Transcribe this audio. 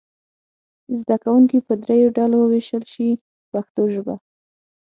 زده کوونکي به دریو ډلو وویشل شي په پښتو ژبه.